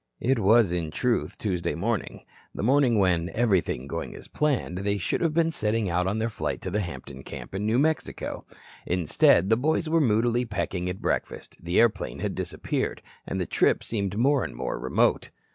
It was, in truth, Tuesday morning. The morning when, everything going as planned, they should have been setting out on their flight to the Hampton camp in New Mexico. Instead, the boys were moodily pecking at breakfast, the airplane had disappeared, and the trip seemed more and more remote.